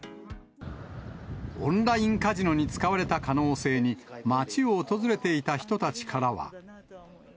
オンラインカジノに使われた可能性に、町を訪れていた人たちからは。